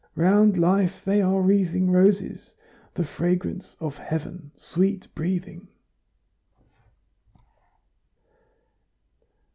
round Life they are wreathing Roses, the fragrance of Heaven sweet breathing!"